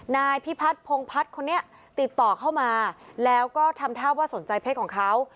นายพิพัฒนพงพัฒน์คนนี้ติดต่อเข้ามาแล้วก็ทำท่าว่าสนใจเพศของเขา